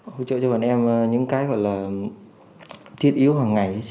hỗ trợ cho bản em những cái gọi là thiết yếu hàng ngày